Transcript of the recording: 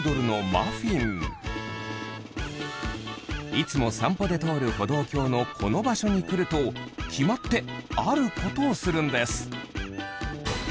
いつも散歩で通る歩道橋のこの場所に来ると決まってあることをするんです